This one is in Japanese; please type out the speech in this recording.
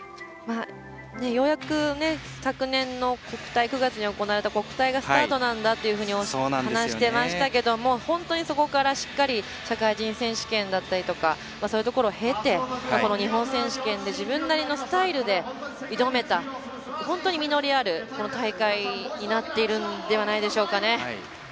ようやく昨年の９月に行われた国体がスタートなんだというふうに話してましたけども本当にそこからしっかり社会人選手権だったりとかそういうところを経て日本選手権で自分なりのスタイルで挑めた本当に実りのある大会になっているのではないでしょうかね。